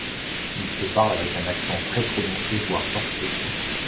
Il se parle avec un accent très prononcé, voire forcé.